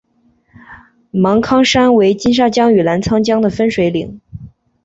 芒康山为金沙江与澜沧江的分水岭。